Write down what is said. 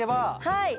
はい。